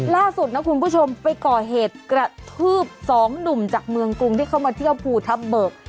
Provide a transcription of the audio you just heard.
ล่าสุดนะคุณผู้ชมไปก่อเหตุกระทืบสองหนุ่มจากเมืองกรุงที่เข้ามาเที่ยวภูทับเบิก